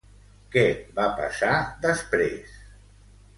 Què va passar després?